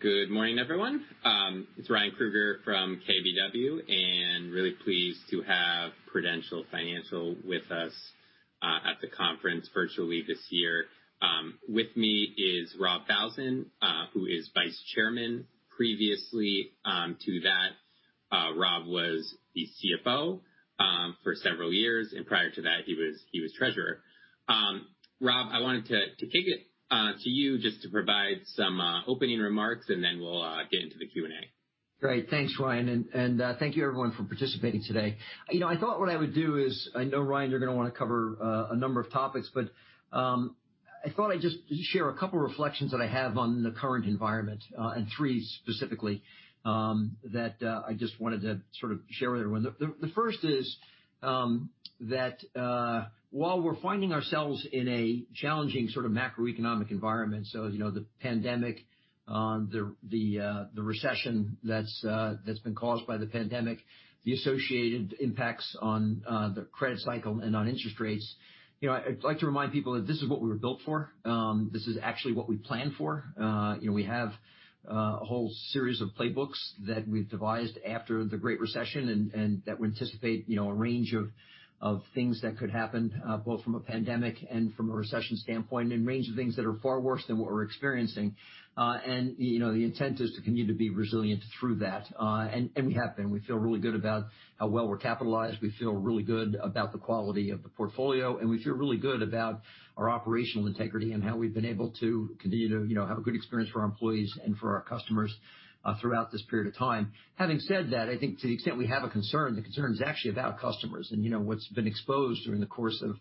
Good morning, everyone. It's Ryan Krueger from KBW, and really pleased to have Prudential Financial with us at the conference virtually this year. With me is Rob Falzon who is Vice Chairman. Previously to that, Rob was the CFO for several years, and prior to that he was treasurer. Rob, I wanted to kick it to you just to provide some opening remarks, and then we'll get into the Q&A. Great. Thanks, Ryan, and thank you everyone for participating today. I thought what I would do is, I know, Ryan, you're going to want to cover a number of topics, but I thought I'd just share a couple reflections that I have on the current environment, and three specifically, that I just wanted to sort of share with everyone. The first is that while we're finding ourselves in a challenging macroeconomic environment, the pandemic, the recession that's been caused by the pandemic, the associated impacts on the credit cycle and on interest rates. I'd like to remind people that this is what we were built for. This is actually what we plan for. We have a whole series of playbooks that we've devised after the Great Recession and that we anticipate a range of things that could happen, both from a pandemic and from a recession standpoint, and range of things that are far worse than what we're experiencing. The intent is to continue to be resilient through that. We have been. We feel really good about how well we're capitalized. We feel really good about the quality of the portfolio, and we feel really good about our operational integrity and how we've been able to continue to have a good experience for our employees and for our customers throughout this period of time. Having said that, I think to the extent we have a concern, the concern is actually about customers, and what's been exposed during the course of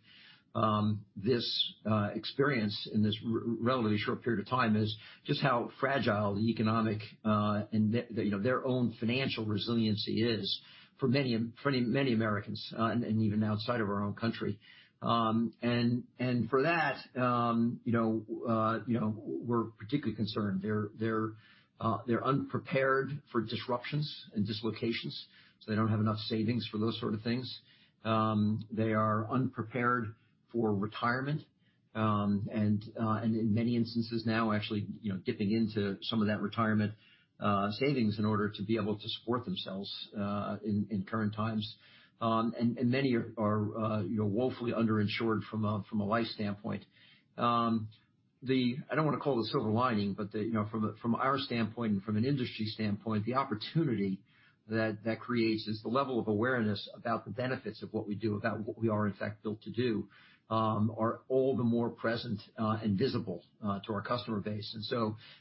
this experience in this relatively short period of time is just how fragile the economic and their own financial resiliency is for many Americans, and even outside of our own country. For that we're particularly concerned. They're unprepared for disruptions and dislocations, they don't have enough savings for those sort of things. They are unprepared for retirement, and in many instances now actually dipping into some of that retirement savings in order to be able to support themselves in current times. Many are woefully underinsured from a life standpoint. I don't want to call it a silver lining, but from our standpoint and from an industry standpoint, the opportunity that creates is the level of awareness about the benefits of what we do, about what we are, in fact, built to do are all the more present and visible to our customer base.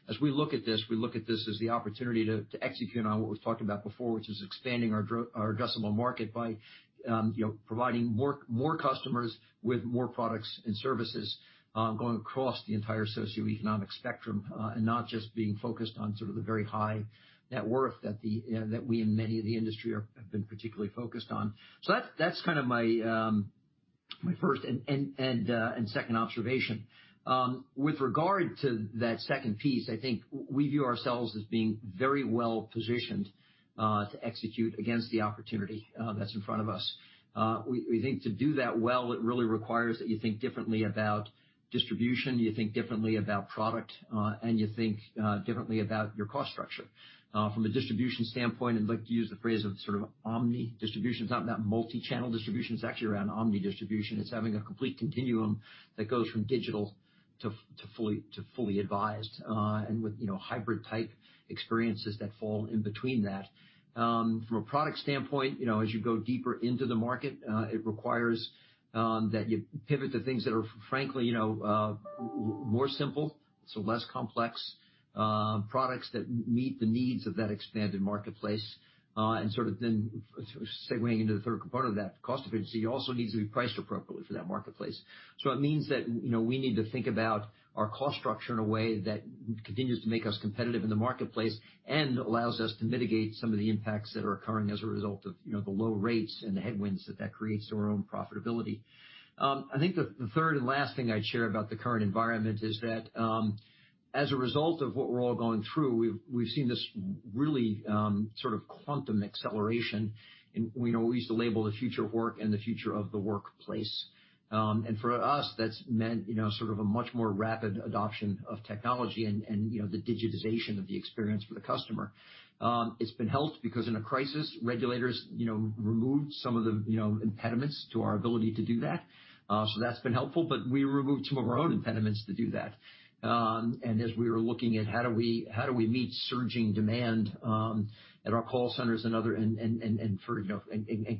As we look at this, we look at this as the opportunity to execute on what we've talked about before, which is expanding our addressable market by providing more customers with more products and services going across the entire socioeconomic spectrum. Not just being focused on sort of the very high net worth that we and many of the industry have been particularly focused on. That's kind of my first and second observation. With regard to that second piece, I think we view ourselves as being very well-positioned to execute against the opportunity that's in front of us. We think to do that well, it really requires that you think differently about distribution, you think differently about product, and you think differently about your cost structure. From a distribution standpoint, I'd like to use the phrase of sort of omni distribution. It's not multi-channel distribution, it's actually around omni distribution. It's having a complete continuum that goes from digital to fully advised, and with hybrid type experiences that fall in between that. From a product standpoint, as you go deeper into the market, it requires that you pivot to things that are, frankly, more simple, so less complex. Products that meet the needs of that expanded marketplace, sort of then segue into the third component of that cost efficiency also needs to be priced appropriately for that marketplace. It means that we need to think about our cost structure in a way that continues to make us competitive in the marketplace and allows us to mitigate some of the impacts that are occurring as a result of the low rates and the headwinds that that creates to our own profitability. I think the third and last thing I'd share about the current environment is that as a result of what we're all going through, we've seen this really sort of quantum acceleration in what we used to label the future of work and the future of the workplace. For us, that's meant sort of a much more rapid adoption of technology and the digitization of the experience for the customer. It's been helped because in a crisis, regulators removed some of the impediments to our ability to do that. That's been helpful, but we removed some of our own impediments to do that. As we were looking at how do we meet surging demand at our call centers and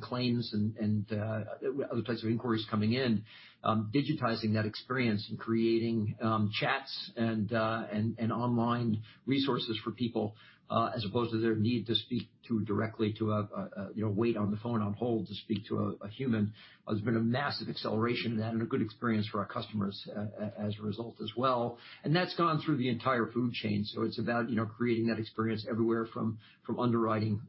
claims and other types of inquiries coming in, digitizing that experience and creating chats and online resources for people, as opposed to their need to wait on the phone on hold to speak to a human, has been a massive acceleration of that and a good experience for our customers as a result as well. That's gone through the entire food chain. It's about creating that experience everywhere from underwriting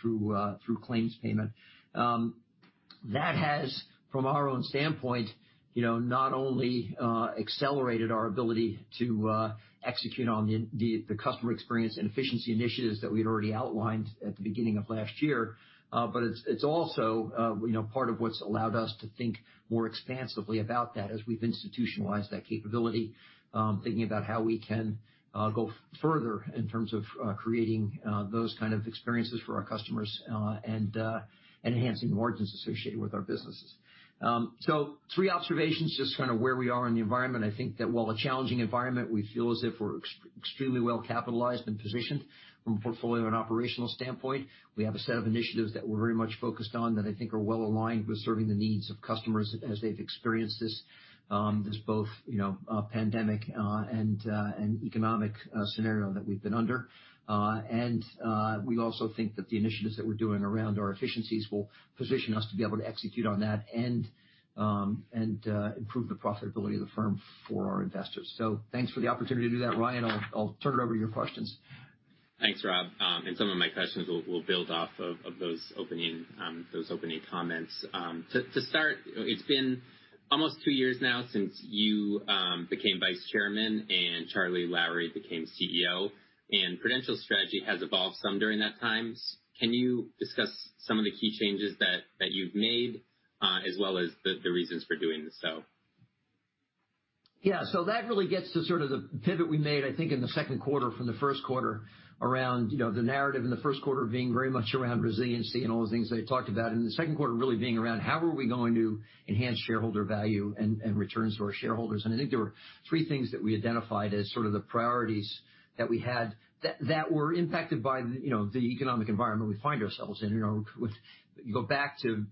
through claims payment. That has, from our own standpoint, not only accelerated our ability to execute on the customer experience and efficiency initiatives that we had already outlined at the beginning of last year, but it's also part of what's allowed us to think more expansively about that as we've institutionalized that capability, thinking about how we can go further in terms of creating those kind of experiences for our customers, and enhancing margins associated with our businesses. three observations, just where we are in the environment. I think that while a challenging environment, we feel as if we're extremely well-capitalized and positioned from a portfolio and operational standpoint. We have a set of initiatives that we're very much focused on that I think are well-aligned with serving the needs of customers as they've experienced this both pandemic, and economic scenario that we've been under. We also think that the initiatives that we're doing around our efficiencies will position us to be able to execute on that and improve the profitability of the firm for our investors. Thanks for the opportunity to do that, Ryan. I'll turn it over to your questions. Thanks, Rob. Some of my questions will build off of those opening comments. To start, it's been almost two years now since you became Vice Chairman and Charles Lowrey became CEO, and Prudential's strategy has evolved some during that time. Can you discuss some of the key changes that you've made, as well as the reasons for doing so? Yeah. That really gets to sort of the pivot we made, I think, in the second quarter from the first quarter around the narrative in the first quarter being very much around resiliency and all those things I talked about. The second quarter really being around how are we going to enhance shareholder value and returns to our shareholders? I think there were three things that we identified as sort of the priorities that we had that were impacted by the economic environment we find ourselves in. You go back to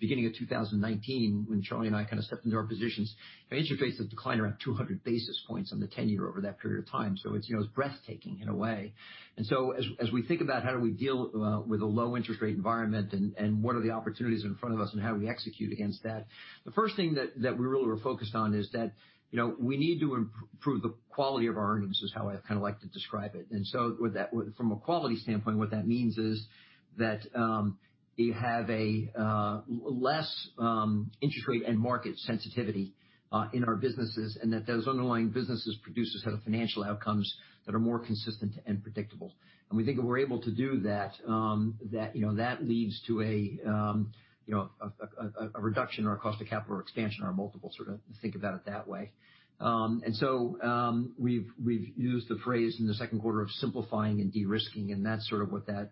beginning of 2019 when Charlie and I stepped into our positions, interest rates have declined around 200 basis points on the 10-year over that period of time. It's breathtaking in a way. As we think about how do we deal with a low interest rate environment and what are the opportunities in front of us and how do we execute against that, the first thing that we really were focused on is that we need to improve the quality of our earnings, is how I like to describe it. From a quality standpoint, what that means is that you have a less interest rate and market sensitivity in our businesses, and that those underlying businesses produce a set of financial outcomes that are more consistent and predictable. We think if we're able to do that leads to a reduction in our cost of capital or expansion, our multiple, think about it that way. We've used the phrase in the second quarter of simplifying and de-risking, and that's sort of what that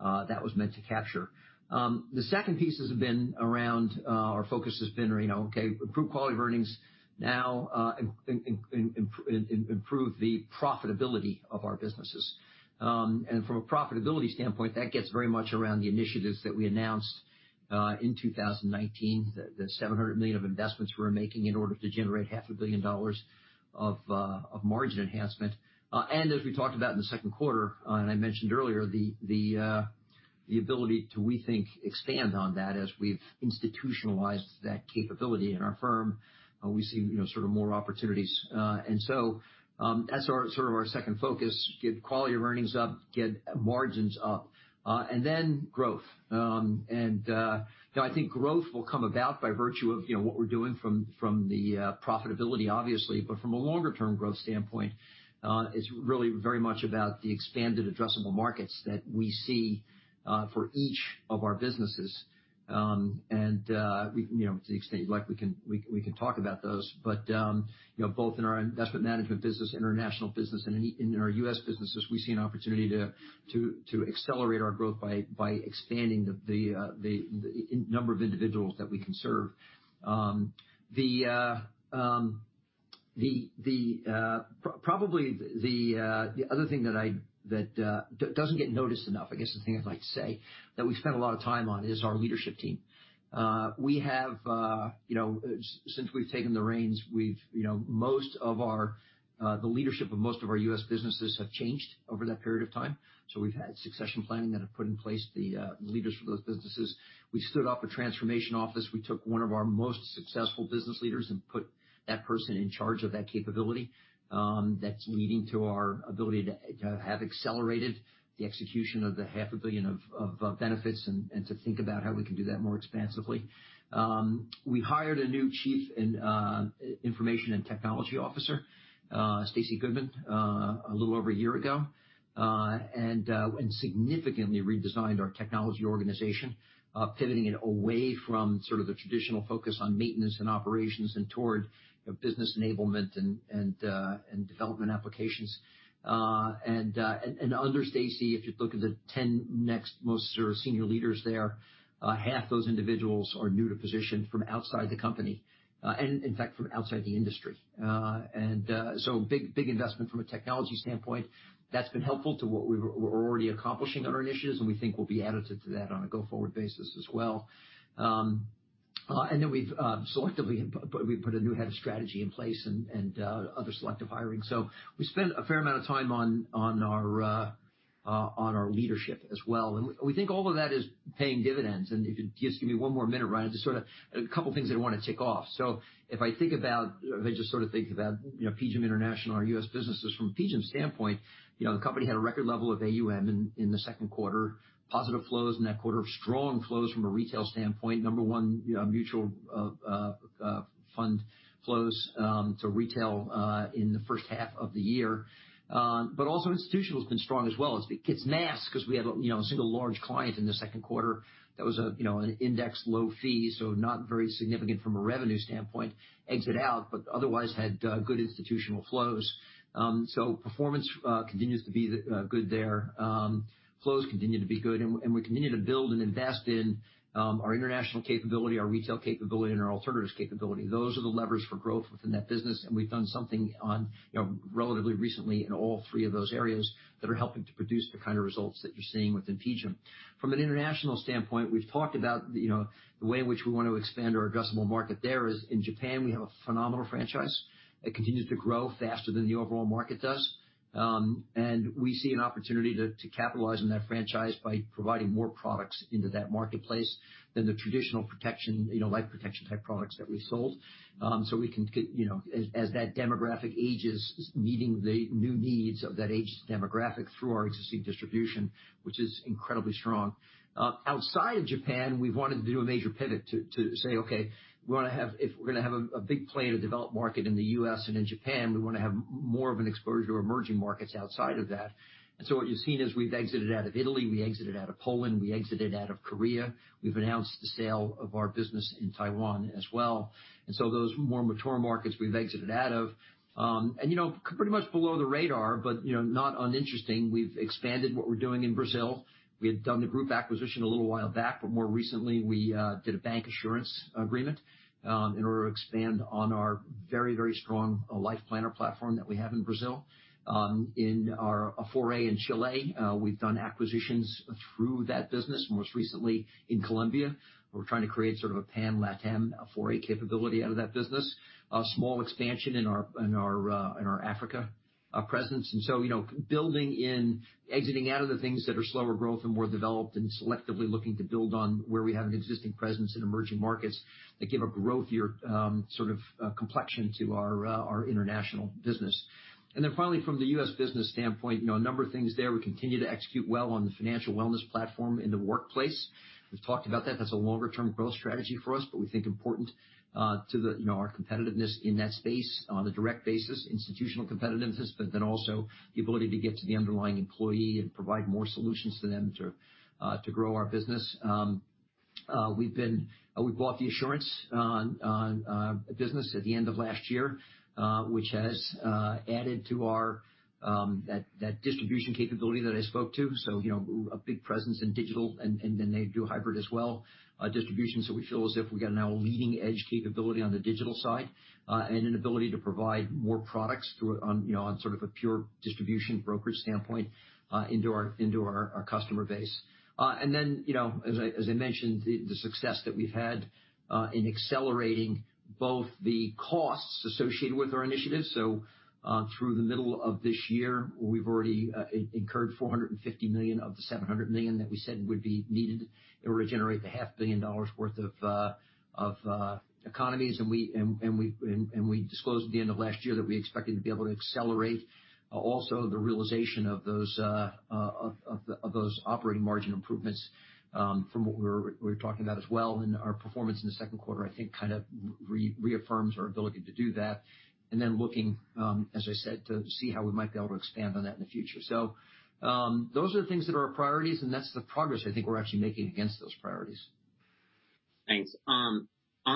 was meant to capture. The second piece has been around our focus has been, okay, improve quality of earnings now, improve the profitability of our businesses. From a profitability standpoint, that gets very much around the initiatives that we announced in 2019, the $700 million of investments we're making in order to generate half a billion dollars of margin enhancement. As we talked about in the second quarter, and I mentioned earlier, the ability to, we think, expand on that as we've institutionalized that capability in our firm. We see more opportunities. That's our second focus, get quality of earnings up, get margins up, and then growth. I think growth will come about by virtue of what we're doing from the profitability, obviously. From a longer-term growth standpoint, it's really very much about the expanded addressable markets that we see for each of our businesses. To the extent you'd like, we can talk about those. Both in our investment management business, international business, and in our U.S. businesses, we see an opportunity to accelerate our growth by expanding the number of individuals that we can serve. Probably the other thing that doesn't get noticed enough, I guess, the thing I'd like to say, that we've spent a lot of time on is our leadership team. Since we've taken the reins, the leadership of most of our U.S. businesses have changed over that period of time. We've had succession planning that have put in place the leaders for those businesses. We stood up a transformation office. We took one of our most successful business leaders and put that person in charge of that capability. That's leading to our ability to have accelerated the execution of the half a billion of benefits and to think about how we can do that more expansively. We hired a new Chief Information and Technology Officer, Stacey Goodman, a little over a year ago, and significantly redesigned our technology organization, pivoting it away from the traditional focus on maintenance and operations and toward business enablement and development applications. Under Stacey, if you look at the 10 next most senior leaders there, half those individuals are new to position from outside the company, and in fact, from outside the industry. Big investment from a technology standpoint. That's been helpful to what we're already accomplishing on our initiatives, and we think will be additive to that on a go-forward basis as well. We've selectively put a new head of strategy in place and other selective hiring. We spent a fair amount of time on our leadership as well. We think all of that is paying dividends. If you'd just give me one more minute, Ryan, just sort of a couple of things that I want to tick off. If I think about, if I just sort of think about PGIM International and our U.S. businesses from PGIM's standpoint, the company had a record level of AUM in the second quarter, positive flows in that quarter, strong flows from a retail standpoint, number one mutual fund flows to retail in the first half of the year. Also institutional has been strong as well. It gets masked because we had a single large client in the second quarter that was an index low fee, not very significant from a revenue standpoint, exit out, but otherwise had good institutional flows. Performance continues to be good there. Flows continue to be good, we continue to build and invest in our international capability, our retail capability, and our alternatives capability. Those are the levers for growth within that business, we've done something on relatively recently in all three of those areas that are helping to produce the kind of results that you're seeing within PGIM. From an international standpoint, we've talked about the way in which we want to expand our addressable market there is in Japan, we have a phenomenal franchise that continues to grow faster than the overall market does. We see an opportunity to capitalize on that franchise by providing more products into that marketplace than the traditional protection, life protection type products that we sold. We can, as that demographic ages, meeting the new needs of that aged demographic through our existing distribution, which is incredibly strong. Outside of Japan, we've wanted to do a major pivot to say, "Okay, if we're going to have a big play in a developed market in the U.S. and in Japan, we want to have more of an exposure to emerging markets outside of that." What you've seen is we've exited out of Italy, we exited out of Poland, we exited out of Korea. We've announced the sale of our business in Taiwan as well. Those more mature markets we've exited out of. Pretty much below the radar, but not uninteresting, we've expanded what we're doing in Brazil. We had done the group acquisition a little while back, more recently, we did a bancassurance agreement in order to expand on our very, very strong Life Planner platform that we have in Brazil. In our Afore in Chile, we've done acquisitions through that business, most recently in Colombia. We're trying to create sort of a pan LATAM Afore capability out of that business. A small expansion in our Africa presence. Building in exiting out of the things that are slower growth and more developed and selectively looking to build on where we have an existing presence in emerging markets that give a growthier sort of complexion to our international business. Finally, from the U.S. business standpoint, a number of things there. We continue to execute well on the financial wellness platform in the workplace. We've talked about that. That's a longer-term growth strategy for us, but we think important to our competitiveness in that space on a direct basis, institutional competitiveness, but then also the ability to get to the underlying employee and provide more solutions to them to grow our business. We bought the Assurance business at the end of last year, which has added to that distribution capability that I spoke to. A big presence in digital, and then they do hybrid as well, distribution. We feel as if we've got now a leading-edge capability on the digital side and an ability to provide more products on sort of a pure distribution brokerage standpoint into our customer base. As I mentioned, the success that we've had in accelerating both the costs associated with our initiatives. Through the middle of this year, we've already incurred $450 million of the $700 million that we said would be needed in order to generate the half billion dollars worth of economies. We disclosed at the end of last year that we expected to be able to accelerate also the realization of those operating margin improvements from what we were talking about as well. Our performance in the second quarter, I think, kind of reaffirms our ability to do that. Then looking, as I said, to see how we might be able to expand on that in the future. Those are the things that are our priorities, and that's the progress I think we're actually making against those priorities. Thanks. On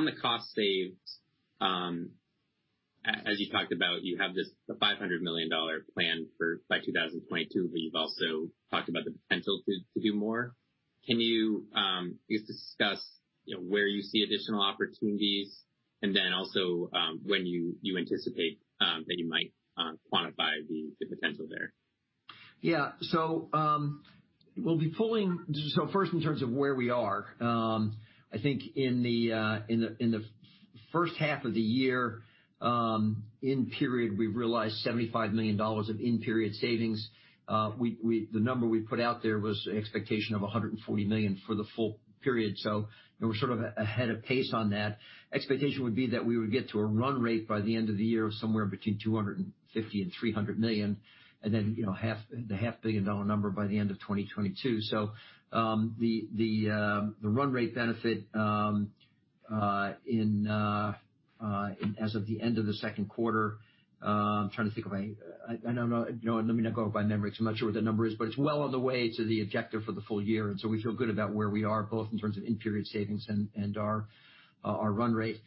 the cost saved, as you talked about, you have this $500 million plan by 2022. You've also talked about the potential to do more. Can you just discuss where you see additional opportunities? Also when you anticipate that you might quantify the potential there? First in terms of where we are, I think in the first half of the year, in period, we've realized $75 million of in-period savings. The number we put out there was an expectation of $140 million for the full period. We're sort of ahead of pace on that. Expectation would be that we would get to a run rate by the end of the year of somewhere between $250 million and $300 million. Then the half-billion-dollar number by the end of 2022. The run rate benefit as of the end of the 2Q, let me not go by memory because I'm not sure what that number is, but it's well on the way to the objective for the full year, we feel good about where we are, both in terms of in-period savings and our run rate.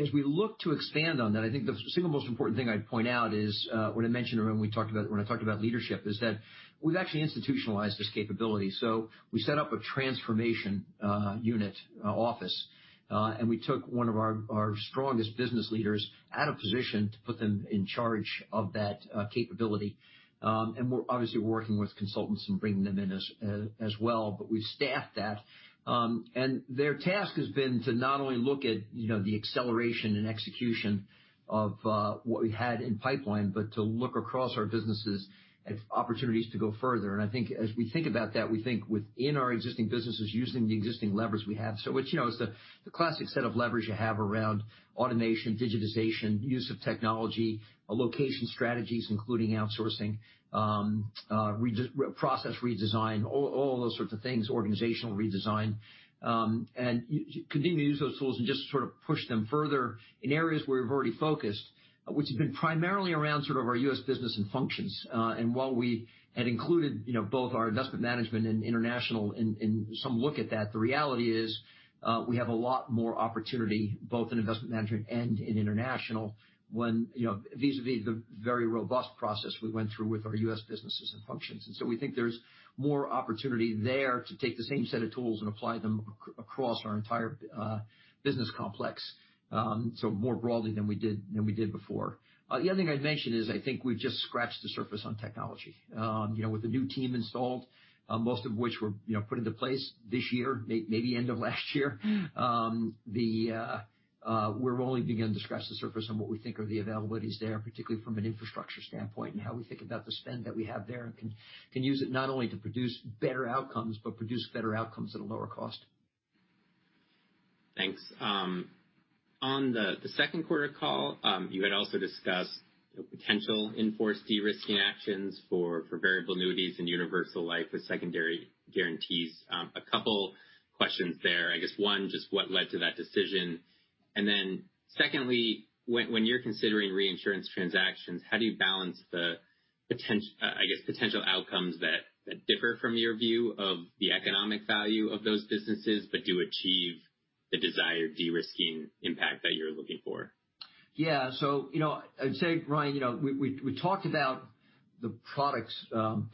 As we look to expand on that, I think the single most important thing I'd point out is when I mentioned, when I talked about leadership, is that we've actually institutionalized this capability. We set up a transformation unit office. We took one of our strongest business leaders out of position to put them in charge of that capability. We're obviously working with consultants and bringing them in as well, but we've staffed that. Their task has been to not only look at the acceleration and execution of what we had in pipeline, but to look across our businesses at opportunities to go further. I think as we think about that, we think within our existing businesses, using the existing levers we have. So which is the classic set of leverage you have around automation, digitization, use of technology, location strategies, including outsourcing, process redesign, all those sorts of things, organizational redesign, and continue to use those tools and just sort of push them further in areas where we've already focused, which has been primarily around sort of our U.S. business and functions. While we had included both our investment management and international in some look at that, the reality is, we have a lot more opportunity, both in investment management and in international when vis-a-vis the very robust process we went through with our U.S. businesses and functions. We think there's more opportunity there to take the same set of tools and apply them across our entire business complex. More broadly than we did before. The other thing I'd mention is I think we've just scratched the surface on technology. With the new team installed, most of which were put into place this year, maybe end of last year, we're only beginning to scratch the surface on what we think are the availabilities there, particularly from an infrastructure standpoint and how we think about the spend that we have there, and can use it not only to produce better outcomes, but produce better outcomes at a lower cost. Thanks. On the second quarter call, you had also discussed potential in-force de-risking actions for variable annuities and Universal Life with Secondary Guarantees. A couple questions there. I guess one, just what led to that decision? Secondly, when you're considering reinsurance transactions, how do you balance the, I guess, potential outcomes that differ from your view of the economic value of those businesses, but do achieve the desired de-risking impact that you're looking for? Yeah. I'd say, Ryan, we talked about the products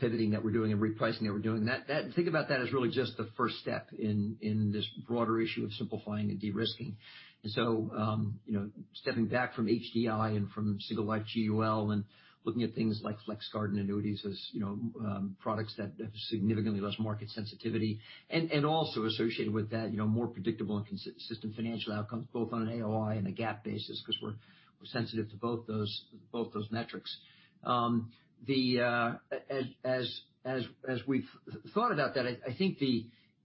pivoting that we're doing and replacing that we're doing. Think about that as really just the first step in this broader issue of simplifying and de-risking. Stepping back from HDI and from single life GUL and looking at things like FlexGuard annuities as products that have significantly less market sensitivity, and also associated with that, more predictable and consistent financial outcomes, both on an AOI and a GAAP basis, because we're sensitive to both those metrics. As we've thought about that, I think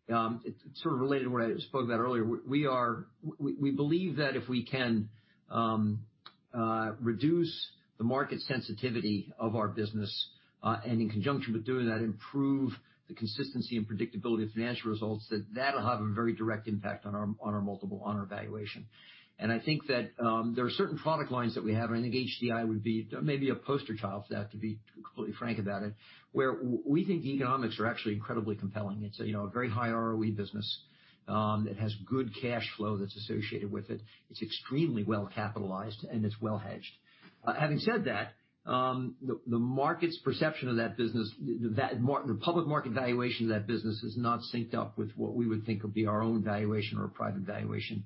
it's sort of related to what I spoke about earlier. We believe that if we can reduce the market sensitivity of our business, and in conjunction with doing that, improve the consistency and predictability of financial results, that that'll have a very direct impact on our multiple, on our valuation. I think that there are certain product lines that we have, and I think HDI would be maybe a poster child for that, to be completely frank about it, where we think the economics are actually incredibly compelling. It's a very high ROE business, that has good cash flow that's associated with it. It's extremely well capitalized, and it's well hedged. Having said that, the market's perception of that business, the public market valuation of that business is not synced up with what we would think would be our own valuation or a private valuation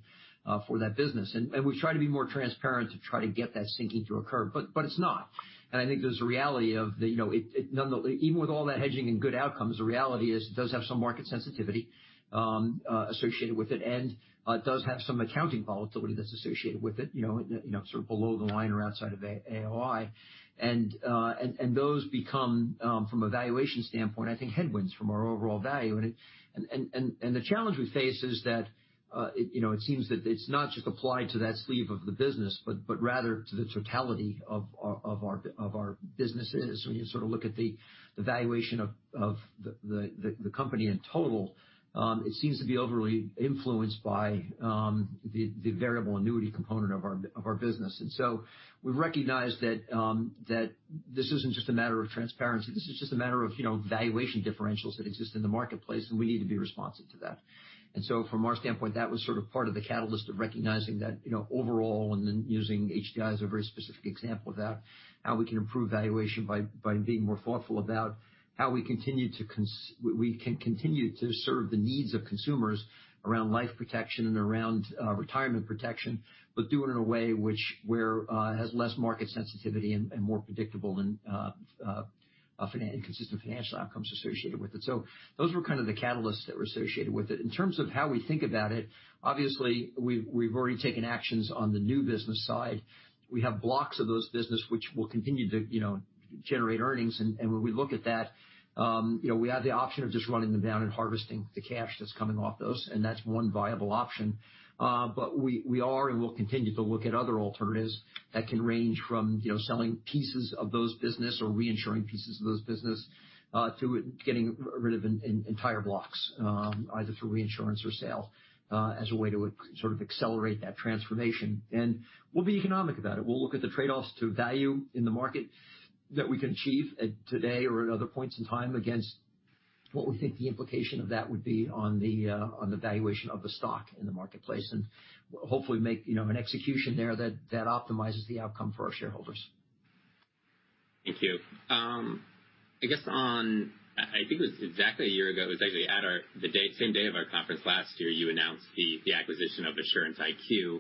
for that business. We try to be more transparent to try to get that syncing to occur. It's not. I think there's a reality of, even with all that hedging and good outcomes, the reality is it does have some market sensitivity associated with it, and it does have some accounting volatility that's associated with it, sort of below the line or outside of AOI. Those become, from a valuation standpoint, I think, headwinds from our overall value. The challenge we face is that it seems that it's not just applied to that sleeve of the business, but rather to the totality of our businesses. When you sort of look at the valuation of the company in total, it seems to be overly influenced by the variable annuity component of our business. We recognize that this isn't just a matter of transparency. This is just a matter of valuation differentials that exist in the marketplace, and we need to be responsive to that. From our standpoint, that was sort of part of the catalyst of recognizing that overall, then using HDI as a very specific example of that, how we can improve valuation by being more thoughtful about how we can continue to serve the needs of consumers around life protection and around retirement protection, but do it in a way which has less market sensitivity and more predictable and consistent financial outcomes associated with it. Those were kind of the catalysts that were associated with it. In terms of how we think about it, obviously, we've already taken actions on the new business side. We have blocks of those businesses which will continue to generate earnings, and when we look at that we have the option of just running them down and harvesting the cash that's coming off those, and that's one viable option. We are and will continue to look at other alternatives that can range from selling pieces of those businesses or reinsuring pieces of those businesses, to getting rid of entire blocks, either through reinsurance or sale, as a way to sort of accelerate that transformation. We'll be economic about it. We'll look at the trade-offs to value in the market that we can achieve today or at other points in time against what we think the implication of that would be on the valuation of the stock in the marketplace. Hopefully make an execution there that optimizes the outcome for our shareholders. Thank you. I guess on, I think it was exactly a year ago, it was actually the same day of our conference last year, you announced the acquisition of Assurance IQ,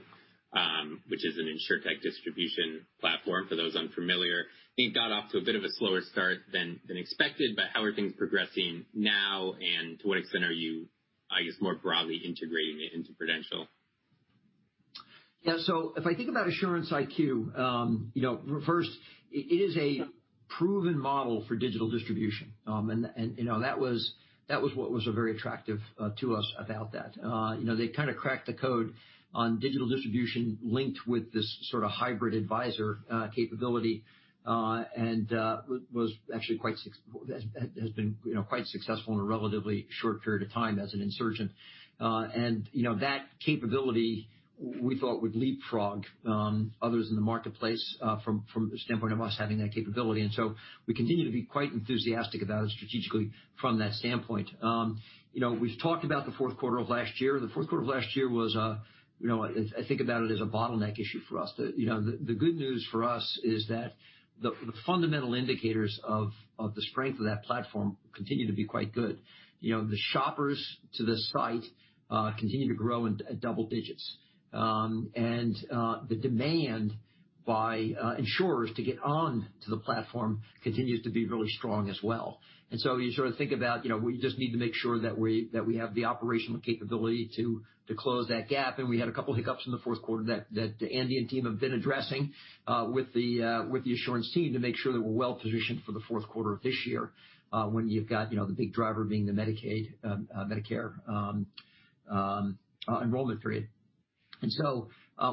which is an insurtech distribution platform for those unfamiliar. I think it got off to a bit of a slower start than expected, but how are things progressing now, and to what extent are you, I guess, more broadly integrating it into Prudential? Yeah. If I think about Assurance IQ, first, it is a proven model for digital distribution. That was what was very attractive to us about that. They kind of cracked the code on digital distribution linked with this sort of hybrid advisor capability, and has been quite successful in a relatively short period of time as an insurgent. That capability, we thought would leapfrog others in the marketplace, from the standpoint of us having that capability. We continue to be quite enthusiastic about it strategically from that standpoint. We've talked about the fourth quarter of last year. The fourth quarter of last year was, I think about it as a bottleneck issue for us. The good news for us is that the fundamental indicators of the strength of that platform continue to be quite good. The shoppers to the site continue to grow at double digits. The demand by insurers to get on to the platform continues to be really strong as well. You think about, we just need to make sure that we have the operational capability to close that gap, and we had a couple hiccups in the fourth quarter that Andy and team have been addressing with the Assurance team to make sure that we're well-positioned for the fourth quarter of this year, when you've got the big driver being the Medicare enrollment period.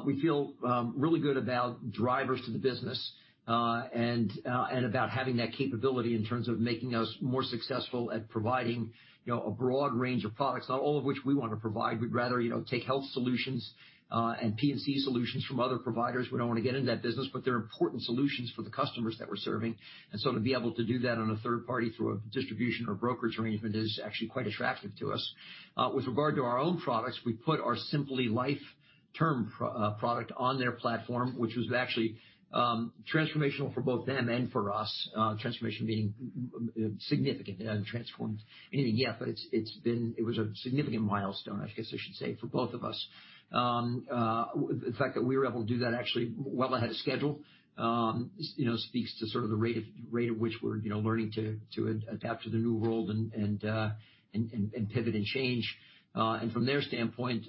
We feel really good about drivers to the business, and about having that capability in terms of making us more successful at providing a broad range of products, not all of which we want to provide. We'd rather take health solutions and P&C solutions from other providers. We don't want to get into that business, but they're important solutions for the customers that we're serving. To be able to do that on a third party through a distribution or brokerage arrangement is actually quite attractive to us. With regard to our own products, we put our SimplyTerm product on their platform, which was actually transformational for both them and for us. Transformation meaning significant. They haven't transformed anything yet, but it was a significant milestone, I guess I should say, for both of us. The fact that we were able to do that actually well ahead of schedule speaks to sort of the rate at which we're learning to adapt to the new world and pivot and change. From their standpoint,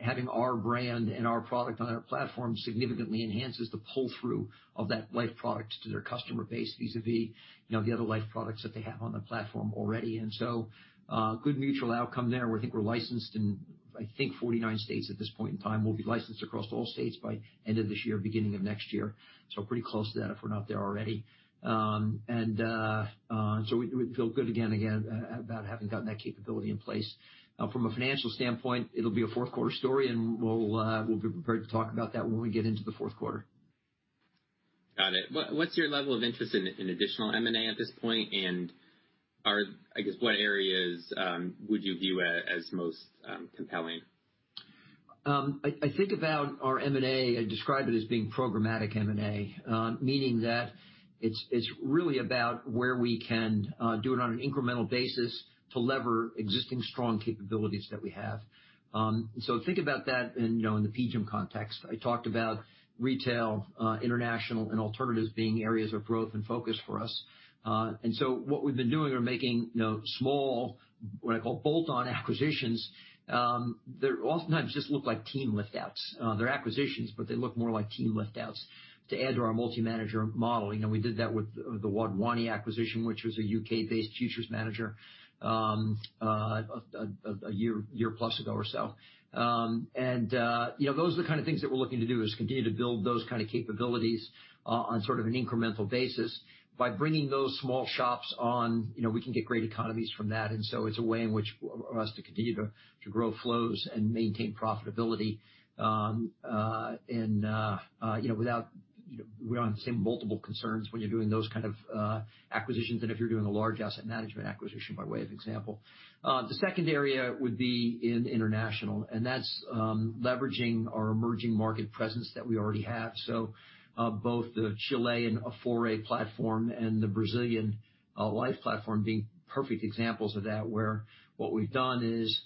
having our brand and our product on their platform significantly enhances the pull-through of that Life product to their customer base vis-a-vis the other Life products that they have on their platform already. Good mutual outcome there. We think we're licensed in, I think, 49 states at this point in time. We'll be licensed across all states by end of this year, beginning of next year. So pretty close to that, if we're not there already. We feel good again about having gotten that capability in place. From a financial standpoint, it'll be a fourth quarter story, and we'll be prepared to talk about that when we get into the fourth quarter. Got it. What's your level of interest in additional M&A at this point? I guess what areas would you view as most compelling? I think about our M&A, I describe it as being programmatic M&A, meaning that it's really about where we can do it on an incremental basis to lever existing strong capabilities that we have. Think about that in the PGIM context. I talked about retail, international, and alternatives being areas of growth and focus for us. What we've been doing are making small, what I call bolt-on acquisitions that oftentimes just look like team lift-outs. They're acquisitions, but they look more like team lift-outs to add to our multi-manager model. We did that with the Wadhwani acquisition, which was a U.K.-based futures manager a year plus ago or so. Those are the kind of things that we're looking to do, is continue to build those kind of capabilities on an incremental basis. By bringing those small shops on, we can get great economies from that. It's a way in which for us to continue to grow flows and maintain profitability without the same multiple concerns when you're doing those kind of acquisitions than if you're doing a large asset management acquisition, by way of example. The second area would be in international, and that's leveraging our emerging market presence that we already have. Both the Chilean Afore platform and the Brazilian Life platform being perfect examples of that, where what we've done is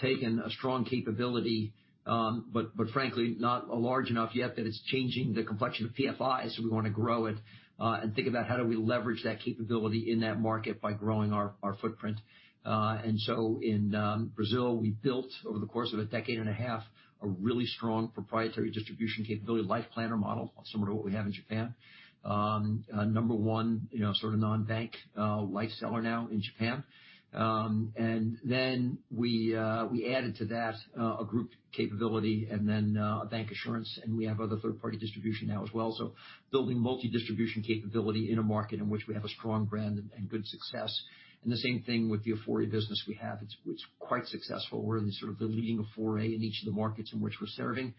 taken a strong capability, but frankly, not large enough yet that it's changing the complexion of PFI's. We want to grow it and think about how do we leverage that capability in that market by growing our footprint. In Brazil, we built over the course of a decade and a half, a really strong proprietary distribution capability, Life Planner model, similar to what we have in Japan. A number 1 sort of non-bank life seller now in Japan. We added to that a group capability and then a bancassurance, and we have other third-party distribution now as well. Building multi-distribution capability in a market in which we have a strong brand and good success. The same thing with the Afore business we have. It's quite successful. We're in the sort of the leading Afore in each of the markets in which we're serving.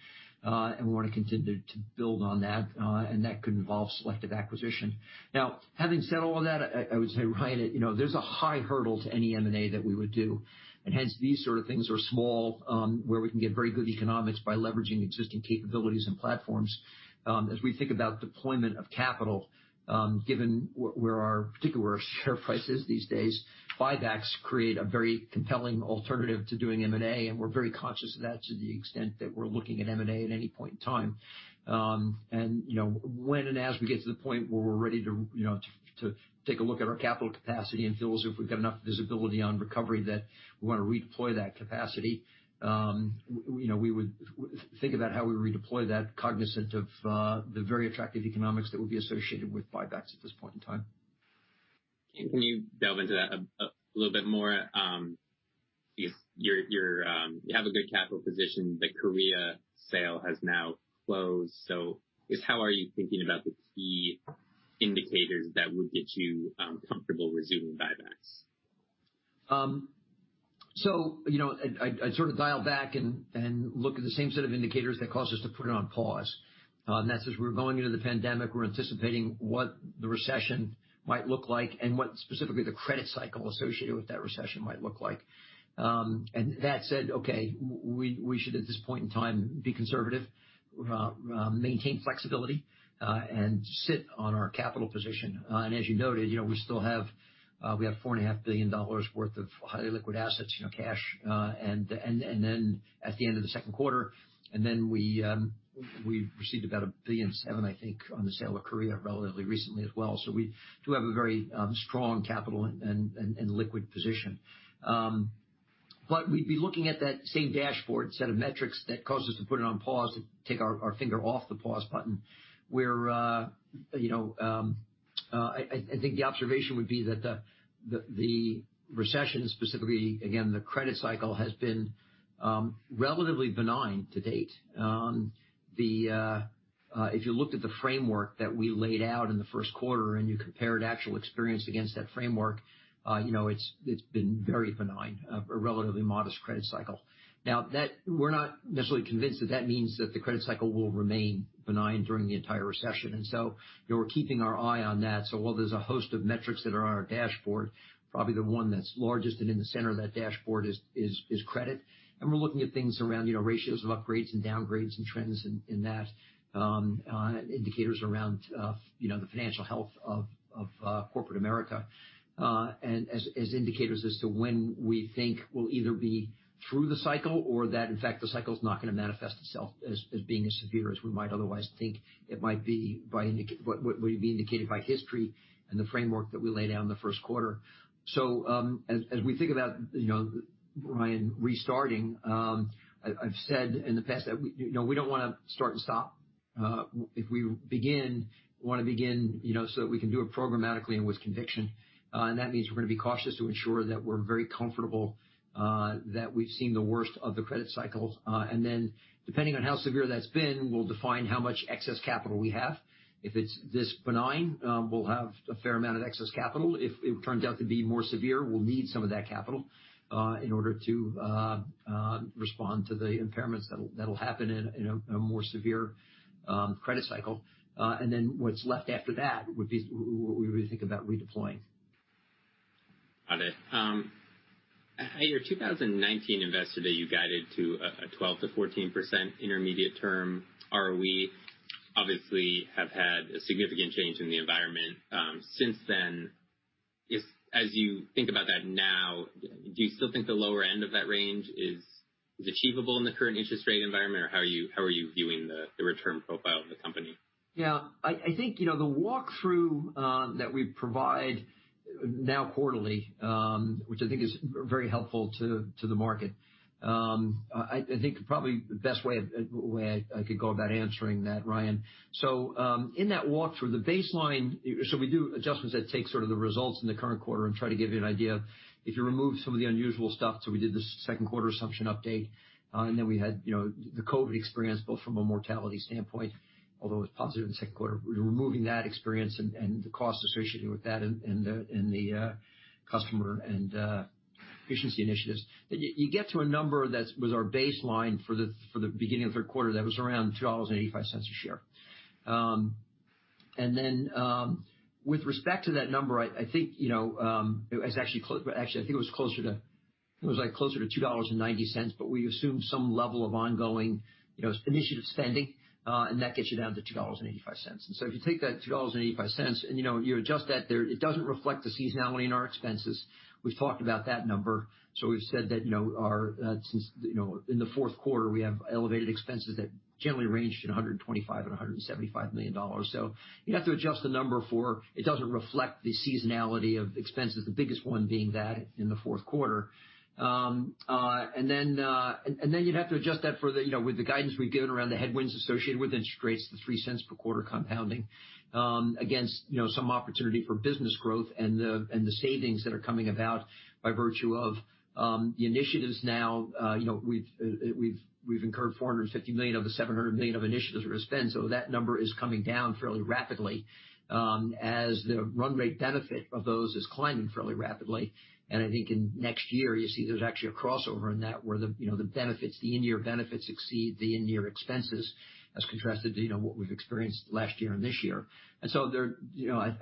We want to continue to build on that, and that could involve selective acquisition. Having said all that, I would say, Ryan, there's a high hurdle to any M&A that we would do. Hence, these sort of things are small, where we can get very good economics by leveraging existing capabilities and platforms. As we think about deployment of capital, given where our particular share price is these days, buybacks create a very compelling alternative to doing M&A, and we're very conscious of that to the extent that we're looking at M&A at any point in time. When and as we get to the point where we're ready to take a look at our capital capacity and feel as if we've got enough visibility on recovery that we want to redeploy that capacity. We would think about how we redeploy that cognizant of the very attractive economics that would be associated with buybacks at this point in time. Can you delve into that a little bit more? You have a good capital position. The Korea sale has now closed. How are you thinking about the key indicators that would get you comfortable resuming buybacks? I sort of dial back and look at the same set of indicators that caused us to put it on pause. That's as we were going into the pandemic, we're anticipating what the recession might look like, and what specifically the credit cycle associated with that recession might look like. That said, okay, we should, at this point in time, be conservative, maintain flexibility, and sit on our capital position. As you noted, we have $4.5 billion worth of highly liquid assets, cash. Then at the end of the second quarter, then we received about $1.7 billion, I think, on the sale of Korea relatively recently as well. We do have a very strong capital and liquid position. We'd be looking at that same dashboard set of metrics that caused us to put it on pause to take our finger off the pause button, where I think the observation would be that the recession specifically, again, the credit cycle has been relatively benign to date. If you looked at the framework that we laid out in the first quarter, and you compared actual experience against that framework, it's been very benign. A relatively modest credit cycle. Now, we're not necessarily convinced that that means that the credit cycle will remain benign during the entire recession. We're keeping our eye on that. While there's a host of metrics that are on our dashboard, probably the one that's largest and in the center of that dashboard is credit. We're looking at things around ratios of upgrades and downgrades and trends in that. Indicators around the financial health of corporate America as indicators as to when we think we'll either be through the cycle or that, in fact, the cycle is not going to manifest itself as being as severe as we might otherwise think it might be would be indicated by history and the framework that we lay down in the first quarter. As we think about, Ryan, restarting, I've said in the past that we don't want to start and stop. If we begin, we want to begin so that we can do it programmatically and with conviction. That means we're going to be cautious to ensure that we're very comfortable that we've seen the worst of the credit cycle. Then depending on how severe that's been, we'll define how much excess capital we have. If it's this benign, we'll have a fair amount of excess capital. If it turns out to be more severe, we'll need some of that capital in order to respond to the impairments that'll happen in a more severe credit cycle. What's left after that would be what we would think about redeploying. Got it. At your 2019 Investor Day, you guided to a 12%-14% intermediate term ROE. Obviously have had a significant change in the environment since then. As you think about that now, do you still think the lower end of that range is achievable in the current interest rate environment, or how are you viewing the return profile of the company? Yeah. I think the walkthrough that we provide now quarterly, which I think is very helpful to the market. I think probably the best way I could go about answering that, Ryan. In that walkthrough, the baseline, so we do adjustments that take sort of the results in the current quarter and try to give you an idea. If you remove some of the unusual stuff, so we did the second quarter assumption update, and then we had the COVID experience, both from a mortality standpoint, although it was positive in the second quarter. We're removing that experience and the cost associated with that in the customer and efficiency initiatives. You get to a number that was our baseline for the beginning of the third quarter. That was around $2.85 a share. With respect to that number, actually, I think it was closer to $2.90, but we assumed some level of ongoing initiative spending, and that gets you down to $2.85. If you take that $2.85 and you adjust that there, it doesn't reflect the seasonality in our expenses. We've talked about that number. We've said that in the fourth quarter, we have elevated expenses that generally ranged in $125 and $175 million. You'd have to adjust the number for it doesn't reflect the seasonality of expenses, the biggest one being that in the fourth quarter. You'd have to adjust that for with the guidance we've given around the headwinds associated with interest rates, the $0.03 per quarter compounding against some opportunity for business growth and the savings that are coming about by virtue of the initiatives now. We've incurred $450 million of the $700 million of initiatives we're going to spend. That number is coming down fairly rapidly as the run rate benefit of those is climbing fairly rapidly. I think in next year, you'll see there's actually a crossover in that where the in-year benefits exceed the in-year expenses as contrasted to what we've experienced last year and this year. I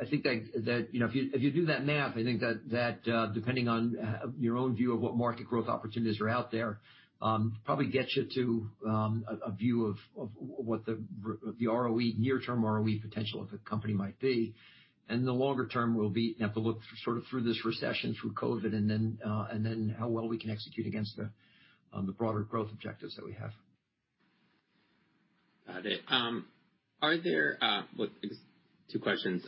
think that if you do that math, I think that depending on your own view of what market growth opportunities are out there, probably gets you to a view of what the near-term ROE potential of the company might be. The longer term will be, you have to look sort of through this recession, through COVID, and then how well we can execute against the broader growth objectives that we have. Got it. I guess two questions.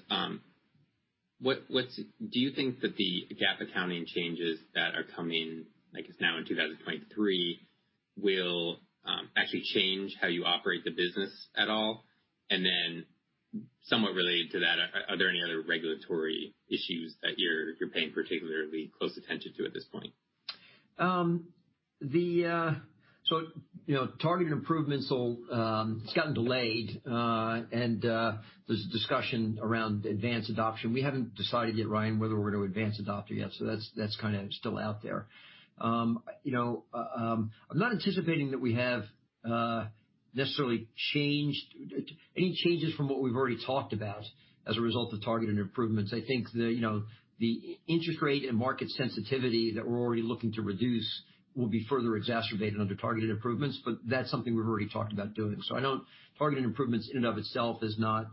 Do you think that the GAAP accounting changes that are coming, I guess now in 2023, will actually change how you operate the business at all? Somewhat related to that, are there any other regulatory issues that you're paying particularly close attention to at this point? Targeted Improvements, it's gotten delayed, and there's a discussion around advanced adoption. We haven't decided yet, Ryan, whether we're to advance adopter yet. That's kind of still out there. I'm not anticipating that we have necessarily any changes from what we've already talked about as a result of Targeted Improvements. I think the interest rate and market sensitivity that we're already looking to reduce will be further exacerbated under Targeted Improvements, but that's something we've already talked about doing. Targeted Improvements in and of itself is not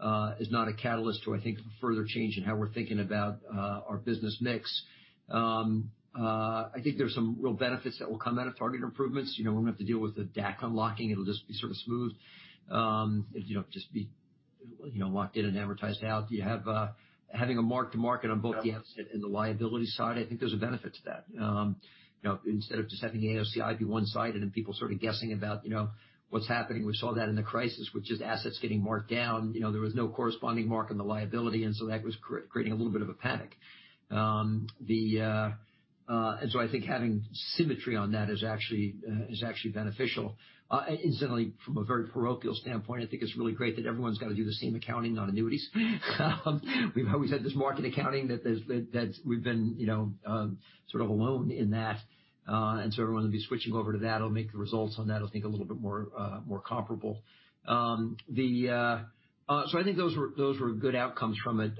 a catalyst for, I think, further change in how we're thinking about our business mix. I think there's some real benefits that will come out of Targeted Improvements. We won't have to deal with the DAC unlocking. It'll just be sort of smooth. It'll just be locked in and advertised out. Having a mark-to-market on both the asset and the liability side, I think there's a benefit to that. Instead of just having the AOCI be one-sided and people sort of guessing about what's happening. We saw that in the crisis with just assets getting marked down. There was no corresponding mark on the liability, that was creating a little bit of a panic. I think having symmetry on that is actually beneficial. Incidentally, from a very parochial standpoint, I think it's really great that everyone's got to do the same accounting on annuities. We've always had this market accounting that we've been sort of alone in that. Everyone will be switching over to that. It'll make the results on that, I think, a little bit more comparable. I think those were good outcomes from it.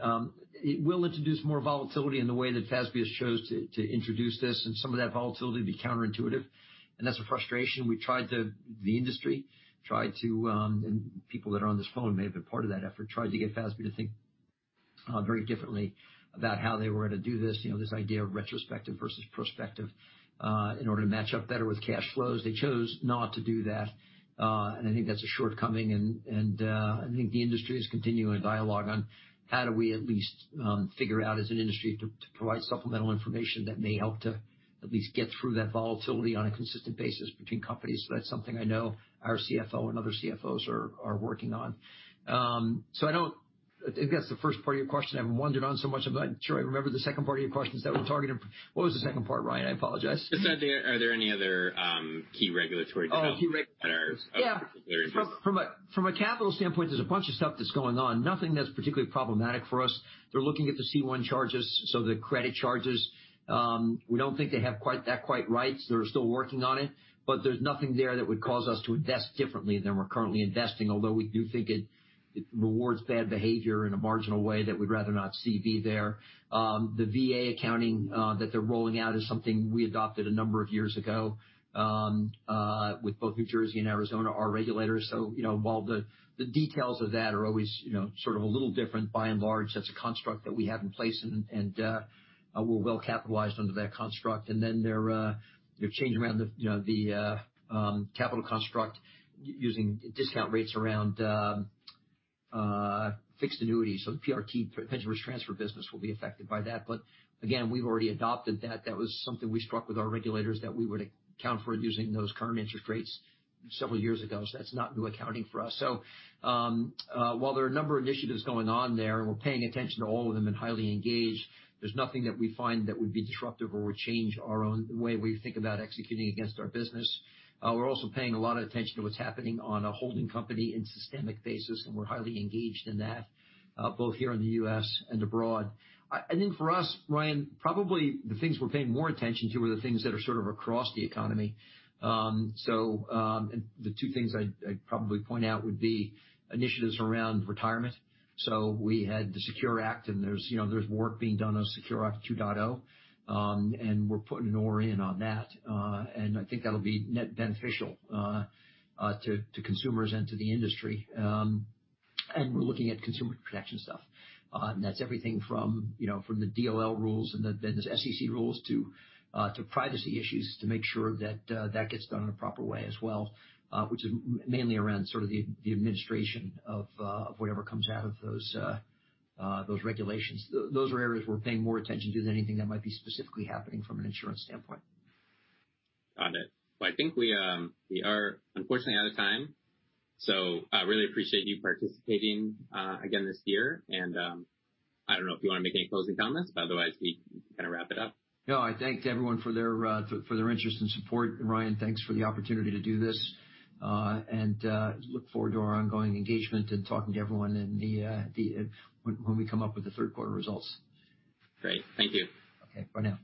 It will introduce more volatility in the way that FASB has chose to introduce this. Some of that volatility will be counterintuitive, and that's a frustration. The industry, and people that are on this phone may have been part of that effort, tried to get FASB to think very differently about how they were to do this idea of retrospective versus prospective, in order to match up better with cash flows. They chose not to do that, and I think that's a shortcoming, and I think the industry is continuing a dialogue on how do we at least figure out as an industry to provide supplemental information that may help to at least get through that volatility on a consistent basis between companies. That's something I know our CFO and other CFOs are working on. I think that's the first part of your question. I've wandered on so much, I'm not sure I remember the second part of your question. What was the second part, Ryan? I apologize. Just are there any other key regulatory developments? Oh, key reg- -that are of particular interest. Yeah. From a capital standpoint, there's a bunch of stuff that's going on, nothing that's particularly problematic for us. They're looking at the C1 charges, so the credit charges. We don't think they have that quite right, so they're still working on it. There's nothing there that would cause us to invest differently than we're currently investing, although we do think it rewards bad behavior in a marginal way that we'd rather not see be there. The VA accounting that they're rolling out is something we adopted a number of years ago with both New Jersey and Arizona, our regulators. While the details of that are always sort of a little different, by and large, that's a construct that we have in place, and we're well-capitalized under that construct. Their change around the capital construct using discount rates around fixed annuities. The PRT, pension risk transfer business, will be affected by that. Again, we've already adopted that. That was something we struck with our regulators that we would account for using those current interest rates several years ago. That's not new accounting for us. While there are a number of initiatives going on there, and we're paying attention to all of them and highly engaged, there's nothing that we find that would be disruptive or would change our own way we think about executing against our business. We're also paying a lot of attention to what's happening on a holding company and systemic basis, and we're highly engaged in that, both here in the U.S. and abroad. I think for us, Ryan, probably the things we're paying more attention to are the things that are sort of across the economy. The two things I'd probably point out would be initiatives around retirement. We had the SECURE Act, and there's work being done on SECURE Act 2.0. We're putting an oar in on that. I think that'll be net beneficial to consumers and to the industry. We're looking at consumer protection stuff. That's everything from the DOL rules and then the SEC rules to privacy issues to make sure that that gets done in a proper way as well, which is mainly around sort of the administration of whatever comes out of those regulations. Those are areas we're paying more attention to than anything that might be specifically happening from an insurance standpoint. Got it. Well, I think we are unfortunately out of time. I really appreciate you participating again this year. I don't know if you want to make any closing comments, but otherwise, we can kind of wrap it up. No, I thank everyone for their interest and support. Ryan, thanks for the opportunity to do this. Look forward to our ongoing engagement and talking to everyone when we come up with the third quarter results. Great. Thank you. Okay. Bye now.